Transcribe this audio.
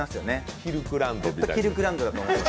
キルクランドだと思います。